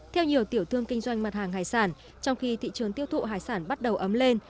theo nhiều tiểu thương kinh doanh mặt hàng hải sản trong khi thị trường tiêu thụ hải sản bắt đầu ấm lên